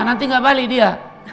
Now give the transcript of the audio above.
nanti gak balik dia